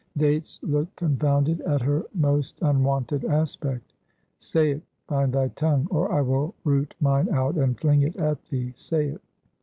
Dates looked confounded at her most unwonted aspect. "Say it! find thy tongue! Or I will root mine out and fling it at thee! Say it!"